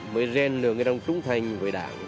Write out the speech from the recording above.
mới rèn lượng người đồng trung thành với đảng